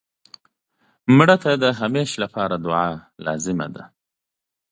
مړه ته د همېشه دعا لازم ده